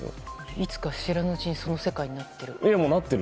いつか知らぬうちにそんな世界になっている。